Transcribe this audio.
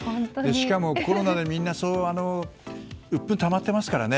しかもコロナでみんなうっぷんがたまってますからね。